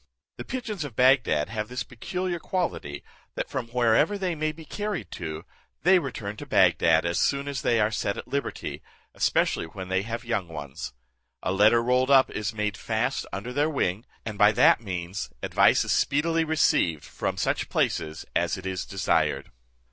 The pigeons of Bagdad have this peculiar quality, that from wherever they may be carried to, they return to Bagdad as soon as they are set at liberty, especially when they have young ones. A letter rolled up is made fast under their wing, and by that means advice is speedily received from such places as it is desired.